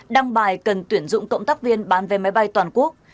đăng bài cần tuyển dụng cộng tác viên bán vé máy bay toàn quốc